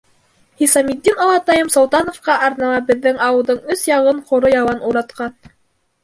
Хисаметдин олатайым Солтановҡа арнала Беҙҙең ауылдың өс яғын ҡоро ялан уратҡан.